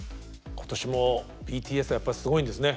今年もＢＴＳはやっぱりすごいんですね。